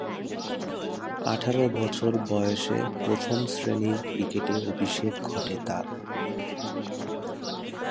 আঠারো বছর বয়সে প্রথম-শ্রেণীর ক্রিকেটে অভিষেক ঘটে তার।